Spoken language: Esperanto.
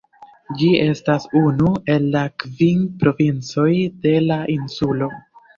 Ĝi estas unu el la kvin provincoj de la insulo.